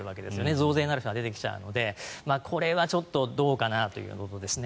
増税になる人が出てきちゃうのでこれはちょっとどうかなということですね。